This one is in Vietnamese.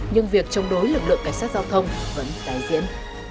nhưng việc chống đối lực lượng cảnh sát giao thông vẫn tái diễn